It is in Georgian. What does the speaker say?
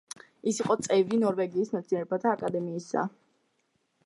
ის იყო წევრი ნორვეგიის მეცნიერებათა აკადემიისა.